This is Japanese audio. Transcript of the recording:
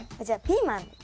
じゃあピーマン。